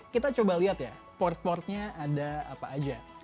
kita coba lihat ya port portnya ada apa aja